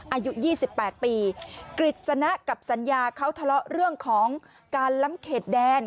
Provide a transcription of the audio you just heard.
อายุ๒๘ปีกฤษณะกับสัญญาเขาทะเลาะเรื่องของการล้ำเขตแดน